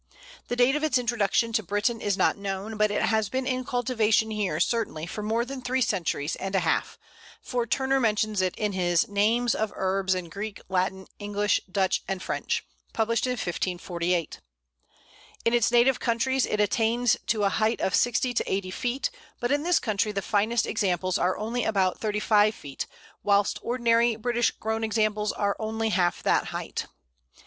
The date of its introduction to Britain is not known, but it has been in cultivation here certainly for more than three centuries and a half, for Turner mentions it in his "Names of Herbes in Greke, Latin, Englishe, Duch, and Frenche," published in 1548. In its native countries it attains a height of sixty to eighty feet, but in this country the finest examples are only about thirty five feet, whilst ordinary British grown examples are only half that height.